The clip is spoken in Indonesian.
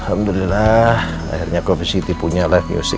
alhamdulillah akhirnya coffee city punya live music